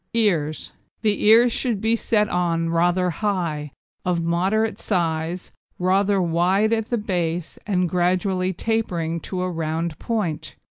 EARS The ears should be set on rather high, of moderate size, rather wide at the base, and gradually tapering to a round point.